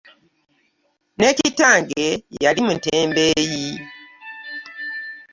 Ne kitange yali mutembeeyi.